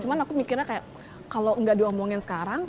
cuman aku mikirnya kayak kalau gak diomongin sekarang